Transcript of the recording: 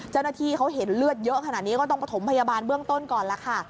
เจ้าหน้าที่เขาเห็นเลือดเยอะขนาดนี้ก็ต้องประถมพยาบาลเบื้องต้นก่อนแล้วค่ะ